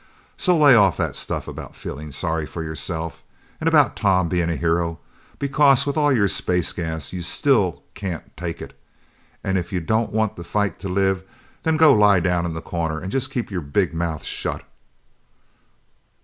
So lay off that stuff about feeling sorry for yourself. And about Tom being a hero, because with all your space gas you still can't take it! And if you don't want to fight to live, then go lie down in the corner and just keep your big mouth shut!"